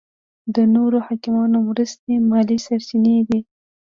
د نورو حاکمانو مرستې مالي سرچینې دي.